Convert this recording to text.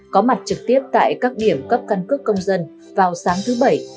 có mặt trực tiếp tại các điểm cấp căn cước công dân vào sáng thứ bảy